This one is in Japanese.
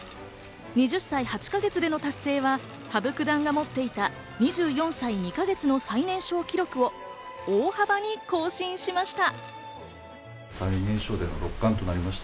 ２０歳８か月の達成は羽生九段が持っていた２４歳２か月の最年少記録を大幅に更新しました。